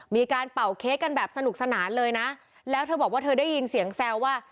เป่าเค้กกันแบบสนุกสนานเลยนะแล้วเธอบอกว่าเธอได้ยินเสียงแซวว่า